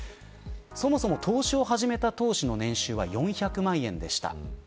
そもそも投資を始めた当初の年収は４００万円でした。